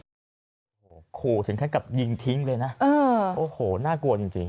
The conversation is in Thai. ถึงขั้นกับยิงทิ้งเลยนะโอ้โหน่ากลัวจริง